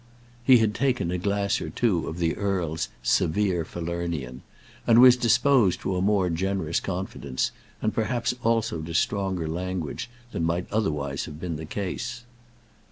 He had taken a glass or two of the earl's "severe Falernian," and was disposed to a more generous confidence, and perhaps also to stronger language, than might otherwise have been the case.